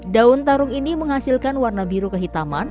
daun tarung ini menghasilkan warna biru kehitaman